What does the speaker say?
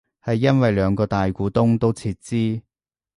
係因為兩個大股東都撤資